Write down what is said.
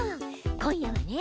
今夜はね